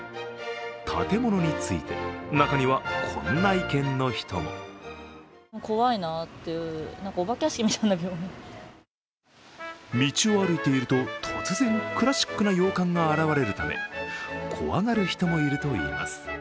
建物について、中にはこんな意見の人も道を歩いていると突然、クラシックな洋館が現れるため怖がる人もいるといいます